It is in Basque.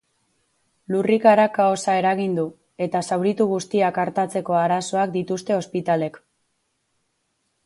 Lurrikarak kaosa eragin du eta zauritu guztiak artatzeko arazoak dituzte ospitalek.